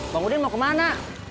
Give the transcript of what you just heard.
bang udin mau kemana